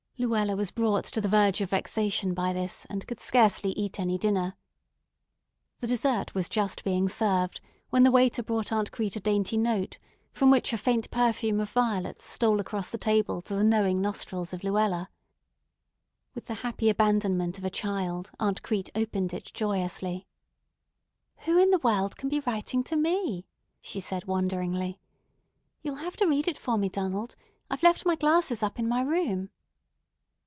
Luella was brought to the verge of vexation by this, and could scarcely eat any dinner. The dessert was just being served when the waiter brought Aunt Crete a dainty note from which a faint perfume of violets stole across the table to the knowing nostrils of Luella. With the happy abandonment of a child Aunt Crete opened it joyously. "Who in the world can be writing to me?" she said wonderingly. "You'll have to read it for me, Donald; I've left my glasses up in my room."